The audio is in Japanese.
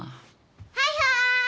はいはーい！